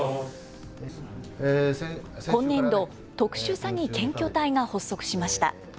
今年度、特殊詐欺検挙隊が発足しました。